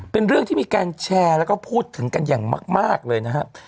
เป็นเรื่องที่มีการแชร์แล้วก็พูดถึงกันอย่างมากเลยนะครับ